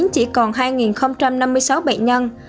chỉ còn hai năm mươi sáu bệnh nhân